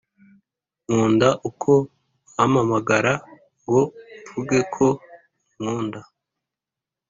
nkunda uko wampamagara ngo mvuge ko unkunda.